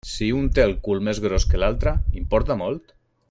Si un té el cul més gros que l'altre, importa molt?